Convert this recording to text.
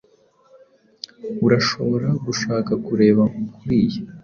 Urashobora gushaka kureba kuriyi.